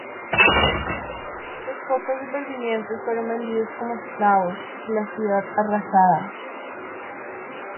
Los pocos supervivientes fueron vendidos como esclavos, y la ciudad arrasada.